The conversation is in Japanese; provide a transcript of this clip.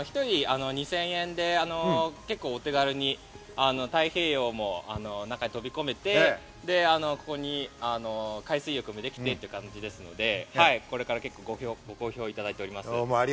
１人２０００円で結構、お手軽に太平洋の中に飛び込めて、海水浴もできてということですので、これから結構、ご好評いただいております。